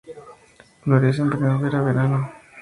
Florece en primavera, verano.